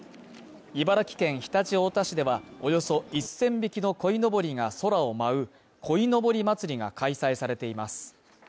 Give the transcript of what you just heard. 茨城県常陸太田市では、およそ１０００匹のこいのぼりが空を舞う鯉のぼりまつりが開催されています。